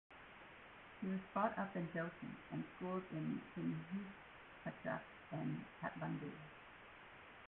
He was brought up in Doti and schooled in Sindhupalchok and Kathmandu.